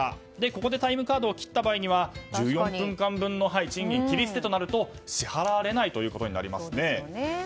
ここでタイムカードを切った場合１４分間分の賃金切り捨てとなると支払われないとなりますね。